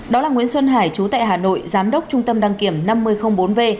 đó là nguyễn xuân hải chú tại hà nội giám đốc trung tâm đăng kiểm năm mươi bốn v